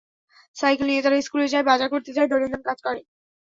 Cycle নিয়ে তারা স্কুলে যায়, বাজার করতে যায়, দৈনন্দিন কাজ করে।